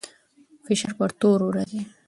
فشار پر تورو راځي.